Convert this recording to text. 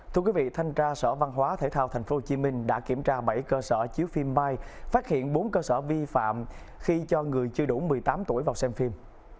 thưa quý vị thanh tra sở văn hóa thể thao tp hcm đã kiểm tra bảy cơ sở chiếu phim mike phát hiện bốn cơ sở vi phạm khi cho người chưa đủ một mươi tám tuổi vào xem phim